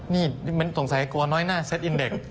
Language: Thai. นี่เป็นตรงใสห์อย่างกลัวงั้นน่าเซ็ตอินเดค